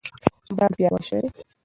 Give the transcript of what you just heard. برانډ پیاوړی شوی دی.